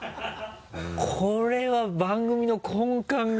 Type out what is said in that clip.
これは番組の根幹が。